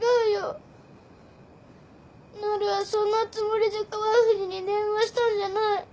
なるはそんなつもりで川藤に電話したんじゃない。